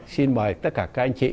xin mời tất cả các anh chị